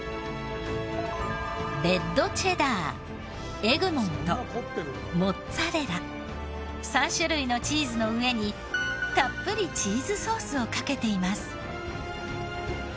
レッドチェダーエグモントモッツァレラ３種類のチーズの上にたっぷりチーズソースをかけています。